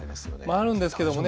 あるんですけどもね